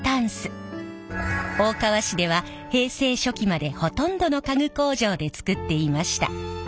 大川市では平成初期までほとんどの家具工場で作っていました。